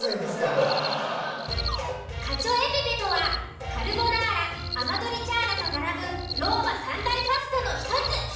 カチョ・エ・ペペとはカルボナーラアマトリチャーナと並ぶローマ三大パスタの１つ。